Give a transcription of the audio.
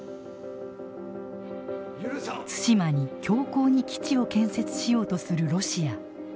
対馬に強硬に基地を建設しようとするロシア。